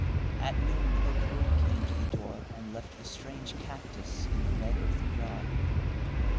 At noon her groom came to the door and left the strange cactus in the red earthen jar.